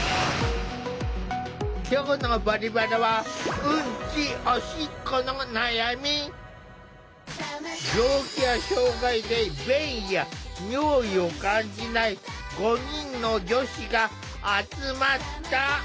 今日の「バリバラ」は病気や障害で便意や尿意を感じない５人の女子が集まった。